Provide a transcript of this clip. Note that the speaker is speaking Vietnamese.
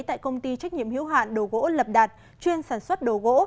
tại công ty trách nhiệm hiếu hạn đồ gỗ lập đạt chuyên sản xuất đồ gỗ